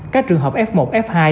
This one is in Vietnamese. các trường hợp f một f hai